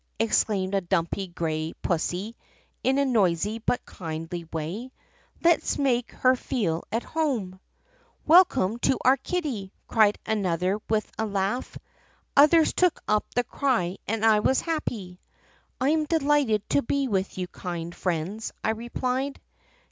exclaimed a dumpy gray pussy in a noisy but kindly way. 'Let 's make her feel at home/ " 'Welcome to our kitty!' cried another with a laugh. Others took up the cry and I was happy. " 'I am delighted to be with you, kind friends,' I replied.